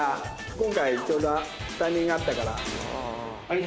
今回ちょうどタイミング合ったから。